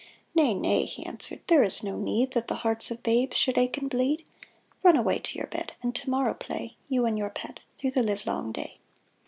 " Nay, nay," he answered. "There is no need That the hearts of babes should ache and bleed. Run away to your bed, and to morrow play, You and your pet, through the livelong day."